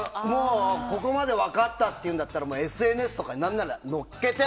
ここまで分かったっていうんだったらＳＮＳに何なら載っけて。